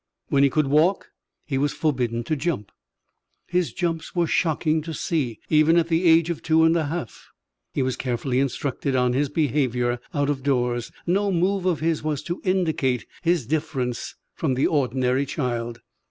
When he could walk, he was forbidden to jump. His jumps were shocking to see, even at the age of two and a half. He was carefully instructed on his behaviour out of doors. No move of his was to indicate his difference from the ordinary child.